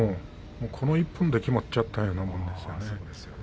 この１本で決まっちゃったようなもんですね。